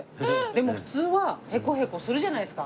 でも普通はヘコヘコするじゃないですか。